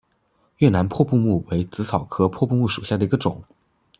越南破布木为紫草科破布木属下的一个种。